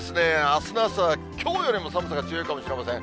あすの朝はきょうよりも寒さが強いかもしれません。